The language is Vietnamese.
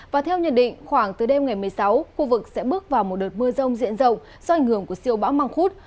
và theo nhận định khoảng từ đêm ngày một mươi sáu khu vực sẽ bước vào một đợt mưa rông diện rộng do ảnh hưởng của siêu bão măng khuốt